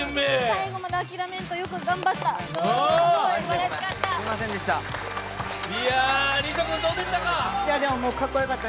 最後まで諦めんとよくやった！